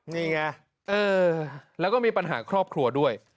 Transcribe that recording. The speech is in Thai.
นี่ไงแล้วก็มีปัญหาครอบครัวด้วย